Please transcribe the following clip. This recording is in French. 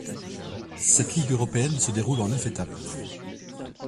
Cette ligue européenne se déroule en neuf étapes.